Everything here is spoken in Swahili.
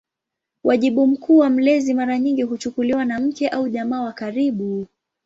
Wajibu mkuu wa mlezi mara nyingi kuchukuliwa na mke au jamaa wa karibu.